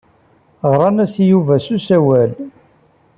Ɣran-as i Yuba s usawal.